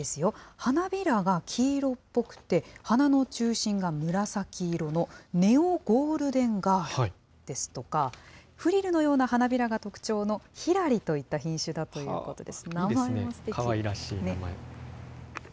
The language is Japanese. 花びらが黄色っぽくて、花の中心が紫色のネオゴールデンガールですとか、フリルのような花びらが特徴のひらりといった品種だということです。